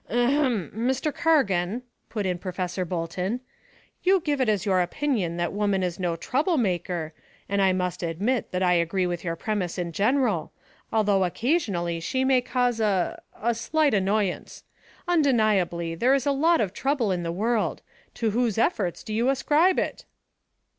"Ahem Mr. Cargan," put in Professor Bolton, "you give it as your opinion that woman is no trouble maker, and I must admit that I agree with your premise in general, although occasionally she may cause a a slight annoyance. Undeniably, there is a lot of trouble in the world. To whose efforts do you ascribe it?"